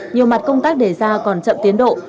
nhiều mặt công tác đề ra còn chậm tiến độ